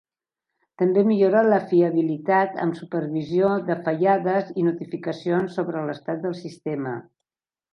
També millora la fiabilitat amb supervisió de fallades i notificacions sobre l"estat del sistema.